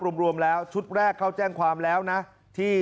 รวมแล้วชุดแรกเข้าแจ้งความแล้วนะที่